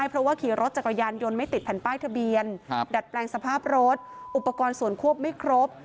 ป้ายทะเบียนดัดแปลงสภาพรถอุปกรณ์ส่วนควบไม่ครบ